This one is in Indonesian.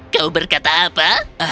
kau berkata apa